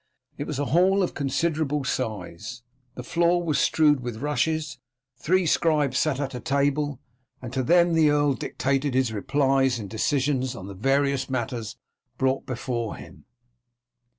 It was a hall of considerable size; the floor was strewed with rushes; three scribes sat at a table, and to them the earl dictated his replies and decisions on the various matters brought before him.